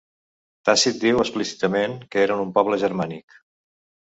Tàcit diu explícitament que eren un poble germànic.